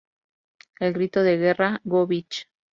El grito de guerra, "Go Beach!